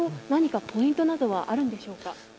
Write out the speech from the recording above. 何かポイントなどはあるんでしょうか。